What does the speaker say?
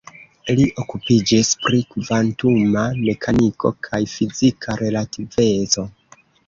Li okupiĝis pri kvantuma mekaniko kaj fizika relativeco.